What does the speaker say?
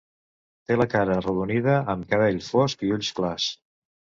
Té la cara arrodonida amb cabell fosc i ulls clars.